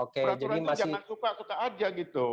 peraturan itu jangan lupa aku tak ajar gitu